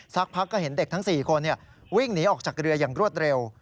สักพักก็เห็นเด็กทั้ง๔คนวิ่งหนีออกจากเรืออย่างรวดเร็ว